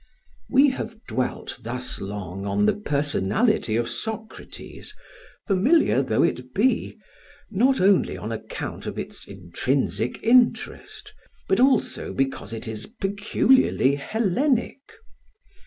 We have dwelt thus long on the personality of Socrates, familiar though it be, not only on account of its intrinsic interest, but also because it is peculiarly Hellenic.